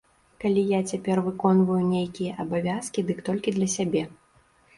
Калі я цяпер выконваю нейкія абавязкі, дык толькі для сябе.